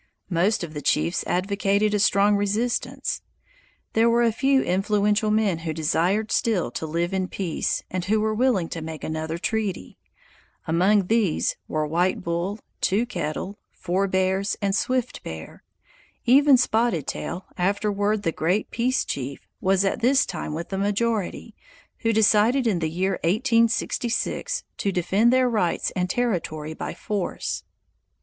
Most of the chiefs advocated a strong resistance. There were a few influential men who desired still to live in peace, and who were willing to make another treaty. Among these were White Bull, Two Kettle, Four Bears, and Swift Bear. Even Spotted Tail, afterward the great peace chief, was at this time with the majority, who decided in the year 1866 to defend their rights and territory by force.